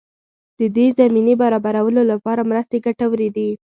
د دې زمینې برابرولو لپاره مرستې ګټورې دي.